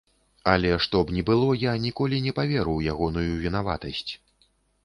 Але што б ні было, я ніколі не паверу ў ягоную вінаватасць.